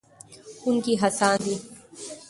ښوونکي هڅاند دي.